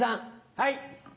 はい。